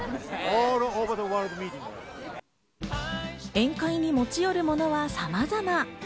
宴会に持ち寄るものはさまざま。